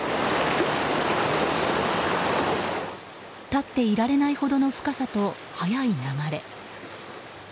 立っていられないほどの深さと速い流れ。